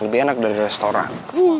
lebih enak dari restoran